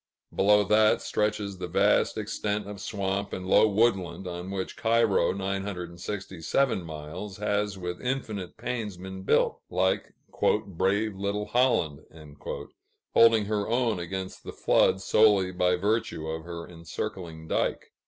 Below that, stretches the vast extent of swamp and low woodland on which Cairo (967 miles) has with infinite pains been built like "brave little Holland," holding her own against the floods solely by virtue of her encircling dike.